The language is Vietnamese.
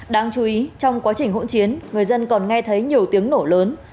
đáng chú ý trong quá trình hỗn chiến người dân còn nghe thấy nhiều tiếng nổ lớn